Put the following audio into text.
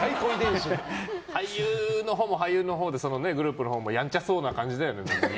俳優のほうも俳優のほうでそのグループのほうもやんちゃそうな感じだよね。